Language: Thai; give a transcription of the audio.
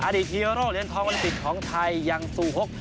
อดีตโรคเลียนทองวลศพิษยังสูหก